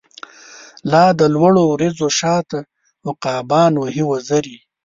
لا د لوړو وریځو شا ته، عقابان وهی وزری